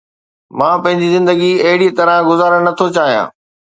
مان پنهنجي زندگي اهڙي طرح گذارڻ نٿو چاهيان.